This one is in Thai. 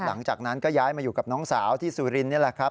หลังจากนั้นก็ย้ายมาอยู่กับน้องสาวที่สุรินนี่แหละครับ